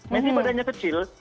messi badannya kecil